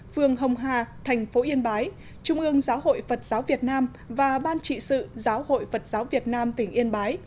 phường hồng hà thành phố yên bái trung ương giáo hội phật giáo việt nam và ban trị sự giáo hội phật giáo việt nam tỉnh yên bái